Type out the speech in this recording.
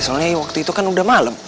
soalnya waktu itu kan udah malam